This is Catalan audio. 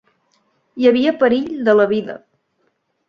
Hi havia perill de la vida.